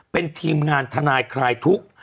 เป็นทีมงานทนายคลายทุกข์